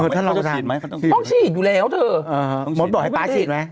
ต้องฉีดอยู่แล้วเถอะหมอบอกให้ป๊าฉีดไหม